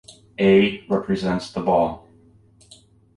A represents the ball.